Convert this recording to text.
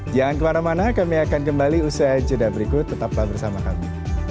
jangan kemana mana kami akan kembali usai jeda berikut tetaplah bersama kami